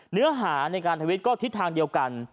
เนื้อหาในการทวิตก็ทิศทางเดียวกัน